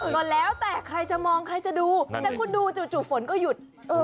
ก็แล้วแต่ใครจะมองใครจะดูแต่คุณดูจู่ฝนก็หยุด